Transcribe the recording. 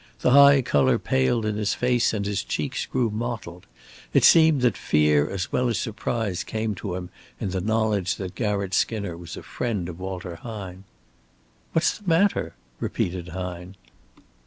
The high color paled in his face and his cheeks grew mottled. It seemed that fear as well as surprise came to him in the knowledge that Garratt Skinner was a friend of Walter Hine. "What is the matter?" repeated Hine.